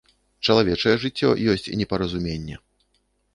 Чалавечае жыццё ёсць непаразуменне.